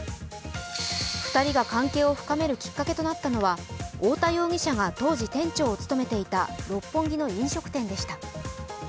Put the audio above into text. ２人が関係を深めるきっかけとなったのは太田容疑者が当時店長を務めていた六本木の飲食店でした。